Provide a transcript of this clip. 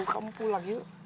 kamu pulang yuk